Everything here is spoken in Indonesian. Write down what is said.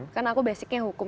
kan aku basicnya hukum